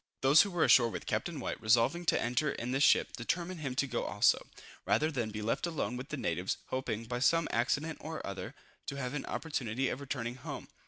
Those who were ashore with Captain White, resolving to enter in this ship, determined him to go also, rather than be left alone with the natives, hoping, by some accident or other, to have an opportunity of returning home.